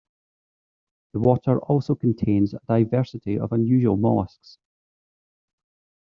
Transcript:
The water also contains a diversity of unusual mollusks.